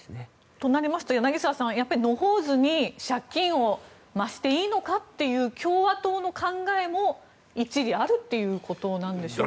となりますと柳澤さんやはり、野放図に借金を増していいのかという共和党の考えも一理あるということなんでしょうか。